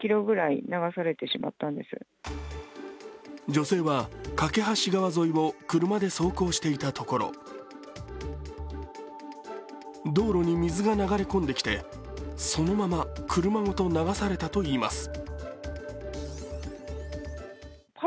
女性は梯川沿いを車で走行していたところ道路に水が流れ込んできて、そのまま車ごと流されたといいます。